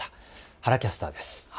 原キャスターです。